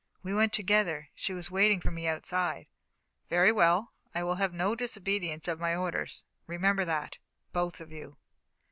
"We went together. She was waiting for me outside." "Very well. I will have no disobedience of my orders remember that, both of you."